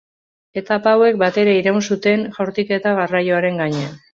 Etapa hauek batera iraun zuten jaurtiketa garraioaren gainean.